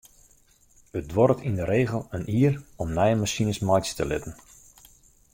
It duorret yn de regel in jier om nije masines meitsje te litten.